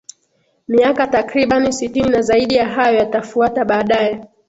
miaka takribani sitini na zaidi ya hayo yatafuata baadae